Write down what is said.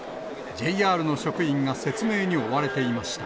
ＪＲの職員が説明に追われていました。